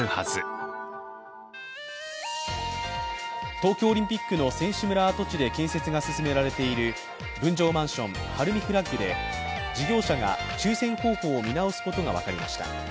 東京オリンピックの選手村跡地で建設が進められている分譲マンション、ＨＡＲＵＭＩＦＬＡＧで事業者が抽選方法を見直すことが分かりました。